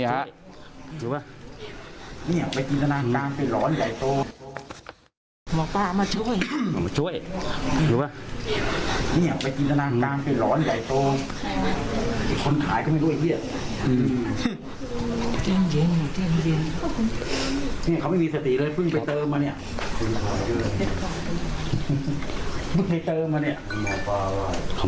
มันดิ้น